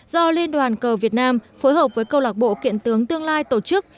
do liên đoàn cờ việt nam phối hợp với câu lạc bộ kiện tướng tương lai tổ chức